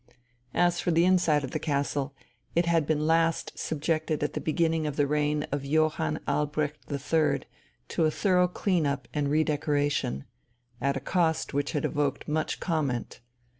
As for the inside of the castle, it had been last subjected at the beginning of the reign of Johann Albrecht III to a thorough clean up and redecoration at a cost which had evoked much comment.